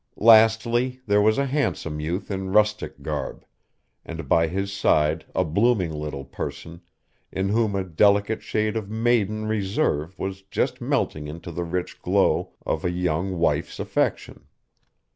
Lastly, there was a handsome youth in rustic garb, and by his side a blooming little person, in whom a delicate shade of maiden reserve was just melting into the rich glow of a young wife's affection.